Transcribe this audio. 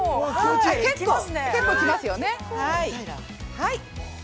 結構きますよね。